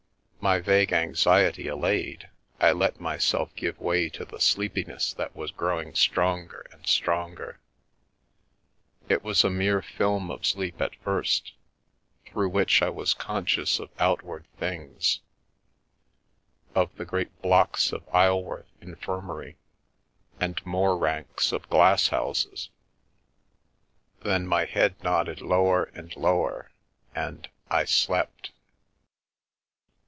My vague anxiety al layed, I let myself give way to the sleepiness that was growing stronger and stronger. It was a mere film of sleep at first, through which I was conscious of outward things— of the great blocks of Isleworth Infirmary and more ranks of glass houses — then my head nodded lower and lower, and — I slept.